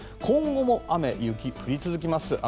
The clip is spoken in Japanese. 今後も雨雪、降り続きます。